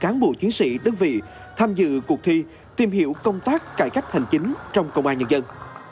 các cán bộ chiến sĩ đơn vị tham dự cuộc thi tìm hiểu công tác cải cách hành chính trong công an nhân dân